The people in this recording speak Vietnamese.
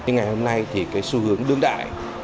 nhưng ngày hôm nay thì cái xu hướng đương đại